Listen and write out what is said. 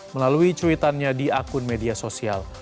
melalui cuitannya di akun media sosial